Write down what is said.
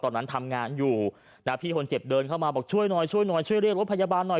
ตอนนั้นทำงานอยู่นะพี่คนเจ็บเดินเข้ามาบอกช่วยหน่อยช่วยหน่อยช่วยเรียกรถพยาบาลหน่อย